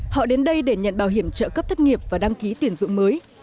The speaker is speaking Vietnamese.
họ đến đây để nhận bảo hiểm trợ cấp thất nghiệp và đăng ký tuyển dụng mới